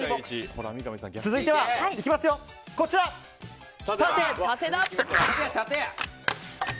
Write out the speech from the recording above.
続いては、縦！